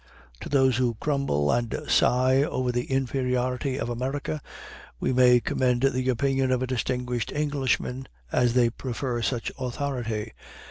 To those who grumble and sigh over the inferiority of America we may commend the opinion of a distinguished Englishman, as they prefer such authority.